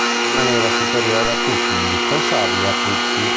Rimaneva superiore a tutti, indispensabile a tutti.